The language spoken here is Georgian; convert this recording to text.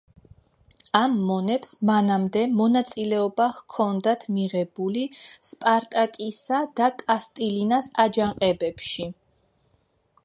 ამ მონებს მანამდე მონაწილეობა ჰქონდათ მიღებული სპარტაკისა და კატილინას აჯანყებებში.